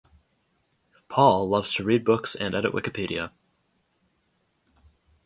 Paul loves to read books and edit Wikipedia.